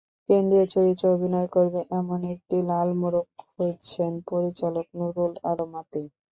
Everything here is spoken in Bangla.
কেন্দ্রীয় চরিত্রে অভিনয় করবে—এমন একটি লাল মোরগ খুঁজছেন পরিচালক নূরুল আলম আতিক।